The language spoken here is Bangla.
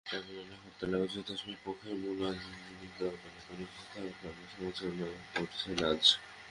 ট্রাইব্যুনাল হরতালের অজুহাতে আসামিপক্ষের মূল আইনজীবীদের আদালতে অনুপস্থিত থাকারও সমালোচনা করেছেন আজ।